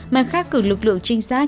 mà khác cử lực lượng trinh sát